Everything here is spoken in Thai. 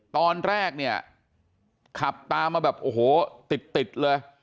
ตอนแรกเนี่ยขับตามมาแบบโอ้โหติดเลย